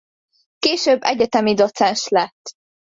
Később egyetemi docens lett.